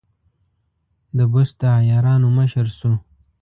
د بست د عیارانو مشر شو.